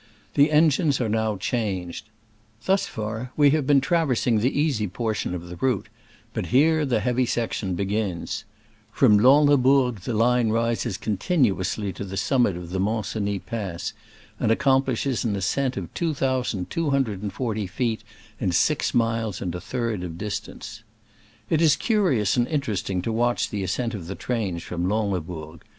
The engines are now changed. Thus far we have been traversing the easy portion of the route, but here the heavy section begins. From Lanslebourg the line rises con tinuously to the summit of the Mont Cenis pass, and accomplishes an ascent THE COVERED WAYS ON THE " FELL " RAILWAY (ITALIAN SIDE OF THE MONT CENIS). of 2240 feet in six miles and a third of distance. It is curious and interesting to watch the ascent of the trains from Lansle bourg.